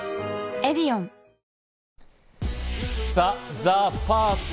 ＴＨＥＦＩＲＳＴ